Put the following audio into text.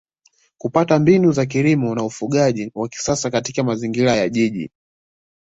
kupata mbinu za kilimo na ufugaji wa kisasa katika mazingira ya Jiji